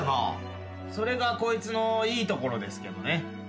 それがこいつのいいところですけどね。